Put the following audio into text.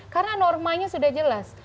karena normanya sudah jelas